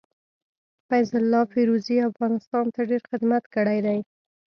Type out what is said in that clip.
فيض الله فيروزي افغانستان ته ډير خدمت کړي دي.